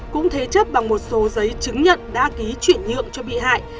cũng thế chấp bằng một số giấy chứng nhận đã ký chuyển nhượng cho bị hại